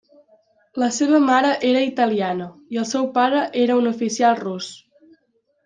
La seva mare era italiana, i el seu pare era un oficial rus.